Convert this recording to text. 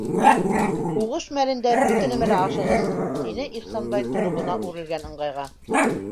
Һуғыш мәлендә бөтә нәмә лә ашығыс, - тине Ихсанбай толобона үрелгән ыңғайға.